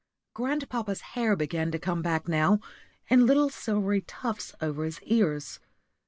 Grandpapa's hair began to come back now, in little silvery tufts over his ears.